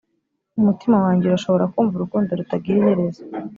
umutima wanjye urashobora kumva urukundo rutagira iherezo,